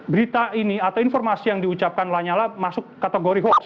berita ini atau informasi yang diucapkan lanyala masuk kategori hoax